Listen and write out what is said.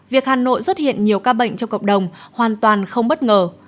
việc hà nội xuất hiện nhiều ca bệnh trong cộng đồng hoàn toàn không bất ngờ